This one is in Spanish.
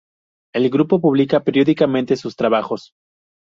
El grupo publica periódicamente sus trabajos.